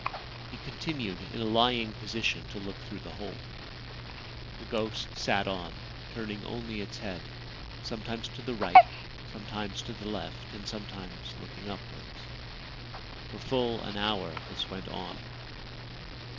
He continued, in a lying position, to look through the hole. The ghost sat on, turning only its head, sometimes to the right, sometimes to the left, and sometimes looking upwards. For full an hour this went on.